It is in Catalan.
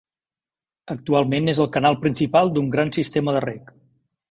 Actualment és el canal principal d'un gran sistema de reg.